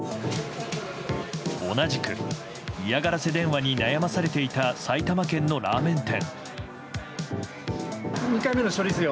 同じく嫌がらせ電話に悩まされていた埼玉県のラーメン店。